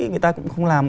người ta cũng không làm